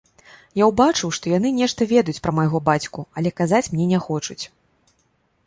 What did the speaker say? Я ўбачыў, што яны нешта ведаюць пра майго бацьку, але казаць мне не хочуць.